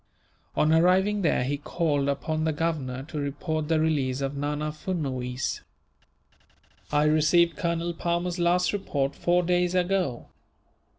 On arriving there he called upon the Governor, to report the release of Nana Furnuwees. "I received Colonel Palmer's last report, four days ago.